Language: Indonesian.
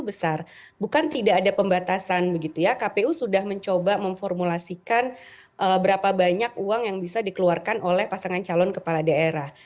besar bukan tidak ada pembatasan begitu ya kpu sudah mencoba memformulasikan berapa banyak uang yang bisa dikeluarkan oleh pasangan calon kepala daerah